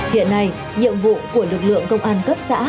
hiện nay nhiệm vụ của lực lượng công an cấp xã